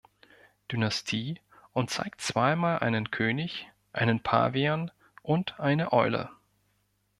Dynastie und zeigt zweimal einen König, einen Pavian und eine Eule.